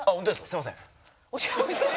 すいません。